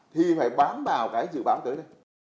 thì phải bám vào cái dự báo tới đây